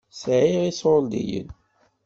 Sɛiɣ iṣuṛdiyen.